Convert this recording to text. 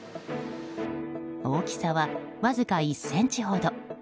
大きさは、わずか１ｃｍほど。